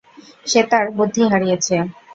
সে তার বুদ্ধি হারিয়েছে।